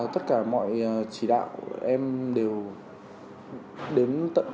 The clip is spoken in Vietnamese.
tất cả mọi chỉ đạo em đều đến tận